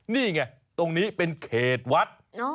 นี่ไงตรงนี้เป็นเขตวัด